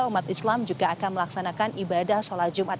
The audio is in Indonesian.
umat islam juga akan melaksanakan ibadah sholat jumat